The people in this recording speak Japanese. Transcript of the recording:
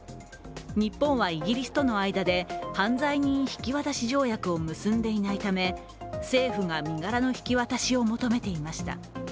日本はイギリスとの間で犯罪人引渡し条約を結んでいないため、政府が身柄の引き渡しを求めていました。